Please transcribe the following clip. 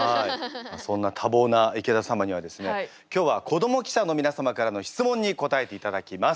そんな多忙な池田様にはですね今日は子ども記者の皆様からの質問に答えていただきます。